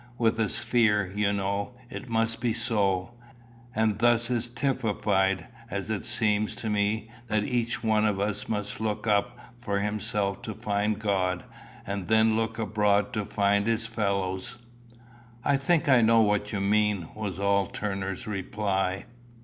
With a sphere, you know, it must be so. And thus is typified, as it seems to me, that each one of us must look up for himself to find God, and then look abroad to find his fellows." "I think I know what you mean," was all Turner's reply.